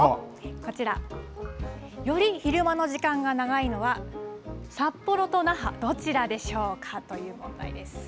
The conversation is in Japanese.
こちら、より昼間の時間が長いのは札幌と那覇、どちらでしょうかという問題です。